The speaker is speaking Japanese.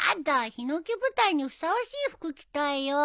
ひのき舞台にふさわしい服着たいよ。